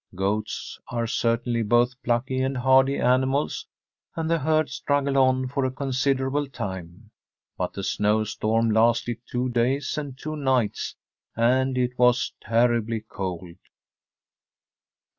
Goats are certainly both plucky and hardy ani mals, and the herd struggled on for a consider able time ; but the snow storm lasted two days and two nights, and it was terribly cold.